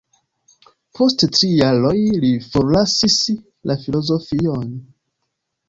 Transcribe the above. Post tri jaroj li forlasis la filozofion.